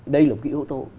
đây là một cái yếu tố